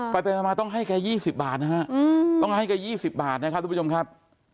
ไปมาต้องให้แก๒๐บาทนะฮะต้องให้แก๒๐บาทนะครับทุกผู้ชมครับ